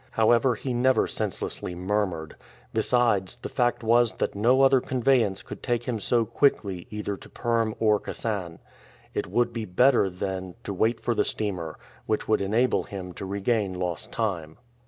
However, he never senselessly murmured. Besides, the fact was that no other conveyance could take him so quickly either to Perm or Kasan. It would be better, then, to wait for the steamer, which would enable him to regain lost time.